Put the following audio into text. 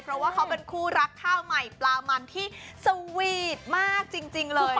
เพราะว่าเขาเป็นคู่รักข้าวใหม่ปลามันที่สวีทมากจริงเลย